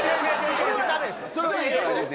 それは英語です。